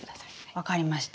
分かりました。